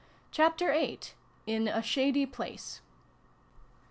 CHAPTER VIII. IN A SHADY PLACE.